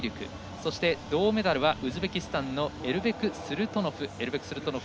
そして銅メダルはウズベキスタンエルベク・スルトノフ。